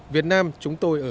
việt nam chúng tôi ở